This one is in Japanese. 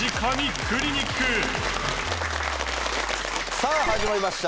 さあ始まりました